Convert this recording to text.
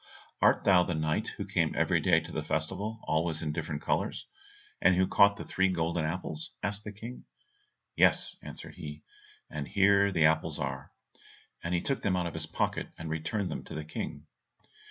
"Art thou the knight who came every day to the festival, always in different colours, and who caught the three golden apples?" asked the King. "Yes," answered he, "and here the apples are," and he took them out of his pocket, and returned them to the King.